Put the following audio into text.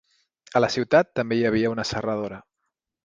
A la ciutat també hi havia una serradora.